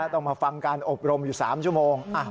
ต้องมาฟังการอบรมอยู่๓ชั่วโมง